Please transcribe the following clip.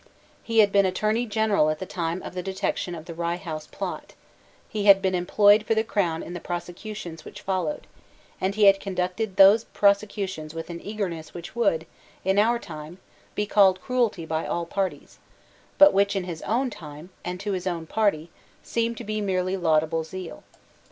He had been Attorney General at the time of the detection of the Rye House Plot; he had been employed for the Crown in the prosecutions which followed; and he had conducted those prosecutions with an eagerness which would, in our time, be called cruelty by all parties, but which, in his own time, and to his own party, seemed to be merely laudable zeal.